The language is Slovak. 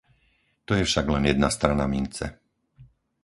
To je však len jedna strana mince.